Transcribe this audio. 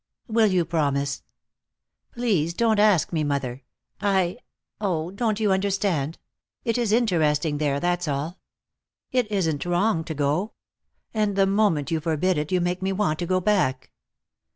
"Will you promise?" "Please don't ask me, mother. I oh, don't you understand? It is interesting there, that's all. It isn't wrong to go. And the moment you forbid it you make me want to go back."